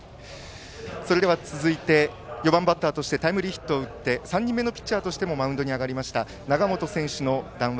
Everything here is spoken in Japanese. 続いて４番バッターとしてタイムリーヒットを打ち３人目のピッチャーとしてもマウンドに上がりました永本選手の談話